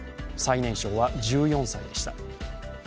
最年少は１４歳でした。